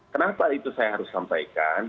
kenapa itu saya harus sampaikan